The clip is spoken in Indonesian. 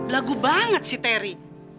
lagu banget sih terry